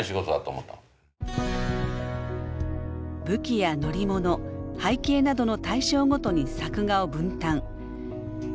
武器や乗り物背景などの対象ごとに作画を分担。